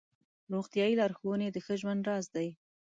روغتیایي لارښوونې د ښه ژوند راز دی.